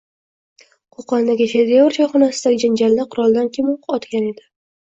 Qo‘qondagi “Shedevr” choyxonasidagi janjalda quroldan kim o‘q otgan edi?